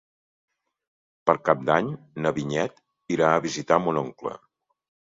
Per Cap d'Any na Vinyet irà a visitar mon oncle.